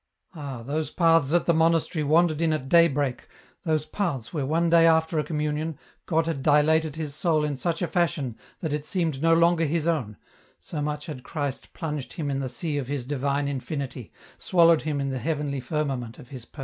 Ah, those paths ac the monastery wandered in at daybreak, those paths where one day aJfter a communion, God had dilated his soul in such a fashion that it seemed no longer his own, so much had Christ plunged him in the sea of His divme infinity, swallowed him in the heavenly firmament of His person.